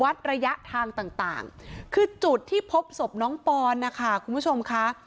ระยะทางต่างคือจุดที่พบศพน้องปอนนะคะคุณผู้ชมค่ะ